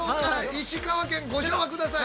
石川県、ご唱和ください。